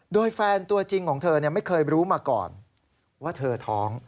โดยแฟนตัวจริงของเธอไม่เคยรู้มาก่อนว่าเธอท้อง